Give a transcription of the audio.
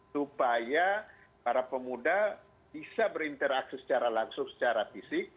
supaya para pemuda bisa berinteraksi secara langsung secara fisik